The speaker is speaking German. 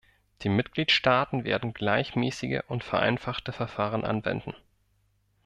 Die Mitgliedstaaten werden gleichmäßige und vereinfachte Verfahren anwenden.